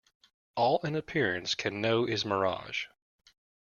All an appearance can know is mirage.